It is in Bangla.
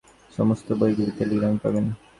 সমস্ত বই গুলি টেলিগ্রামে পাবেন।